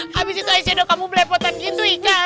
habis itu ac doang kamu melepotan gitu ika